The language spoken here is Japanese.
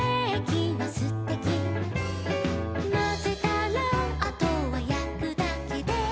「まぜたらあとはやくだけで」